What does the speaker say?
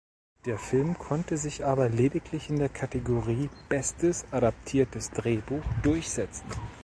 Der Film konnte sich aber lediglich in der Kategorie Bestes adaptiertes Drehbuch durchsetzen.